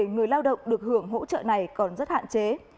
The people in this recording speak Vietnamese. vì vậy người lao động được hưởng hỗ trợ này còn rất hạn chế